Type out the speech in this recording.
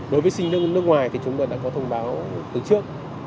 đối với sinh viên nước ngoài thì chúng ta đã có thông báo từ trước